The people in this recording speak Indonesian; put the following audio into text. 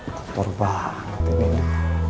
kotor banget ini